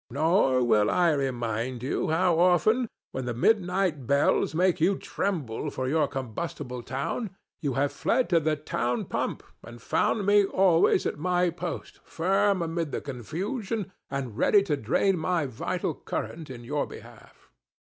Nor will I remind you how often, when the midnight bells make you tremble for your combustible town, you have fled to the town pump and found me always at my post firm amid the confusion and ready to drain my vital current in your behalf.